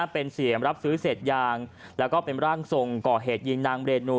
เป็นเสียงรับซื้อเศษยางแล้วก็เป็นร่างทรงก่อเหตุยิงนางเรนู